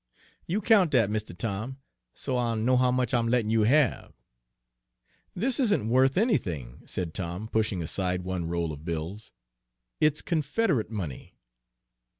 "You count dat, Mistuh Tom, so I'll know how much I'm lettin' you have." "This isn't worth anything," said Tom, pushing aside one roll of bills. "It's Confederate money."